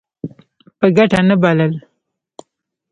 په ګټه نه بلل.